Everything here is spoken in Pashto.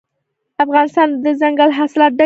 افغانستان له دځنګل حاصلات ډک دی.